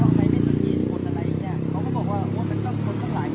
ตอนนี้กำหนังไปคุยของผู้สาวว่ามีคนละตบ